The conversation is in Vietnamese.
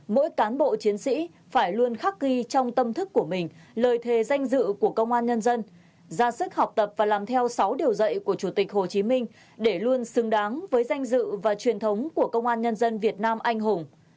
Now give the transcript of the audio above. mỗi cán bộ chiến sĩ phải luôn khắc ghi trong tâm thức của mình lời thề danh dự của công an nhân dân ra sức học tập và làm theo sáu điều dạy của chủ tịch hồ chí minh để luôn xứng đáng với danh dự và truyền thống của công an nhân dân việt nam anh hùng